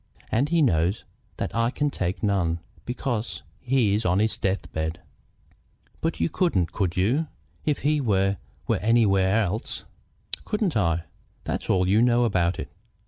And he knows that I can take none, because he is on his death bed." "But you couldn't, could you, if he were were anywhere else?" "Couldn't I? That's all you know about it.